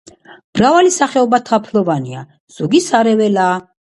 მრავალი სახეობა თაფლოვანია, ზოგი სარეველაა.